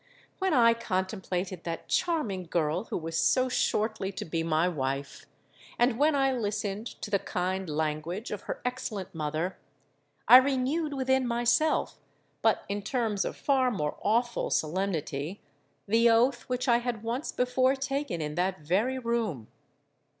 when I contemplated that charming girl who was so shortly to be my wife,—and when I listened to the kind language of her excellent mother,—I renewed within myself, but in terms of far more awful solemnity, the oath which I had once before taken in that very room!